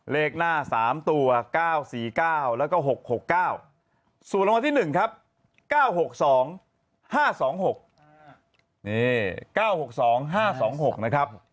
เลขหน้า๓ตัว๙๔๙แล้วก็๖๖๙ส่วนรางวัลที่๑ครับ๙๖๒๕๒๖นี่๙๖๒๕๒๖นะครับ